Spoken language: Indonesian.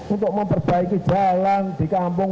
untuk memperbaiki jalan di kampung